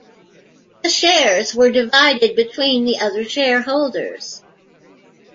The shares were divided between the other shareholders.